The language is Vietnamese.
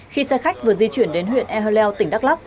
khi xe khách vừa di chuyển đến huyện ehleu tỉnh đắk lắc